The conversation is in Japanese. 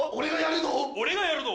俺がやるど！